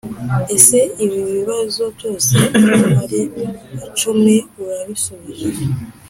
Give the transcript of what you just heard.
ese ibi bibazo byose uko ari icumi urabisubije ?